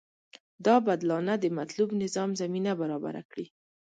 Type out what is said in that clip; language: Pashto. دا بدلانه د مطلوب نظام زمینه برابره کړي.